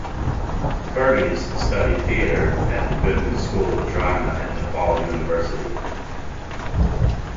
Firgens studied theatre at the Goodman School of Drama at DePaul University.